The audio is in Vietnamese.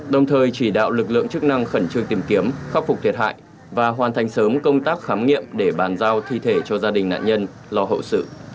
đồng thời chỉ đạo lực lượng chức năng khẩn trương tìm kiếm khắc phục thiệt hại và hoàn thành sớm công tác khám nghiệm để bàn giao thi thể cho gia đình nạn nhân lo hậu sự